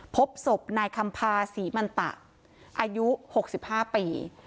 พบศพนายคำภาษีมันตะอายุหกสิบห้าปี